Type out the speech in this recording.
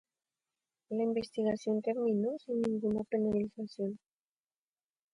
La investigación terminó sin ninguna penalización.